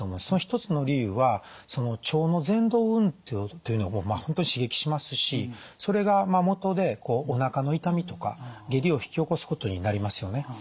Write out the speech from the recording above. その一つの理由は腸のぜんどう運動っていうのを本当に刺激しますしそれがもとでおなかの痛みとか下痢を引き起こすことになりますよね。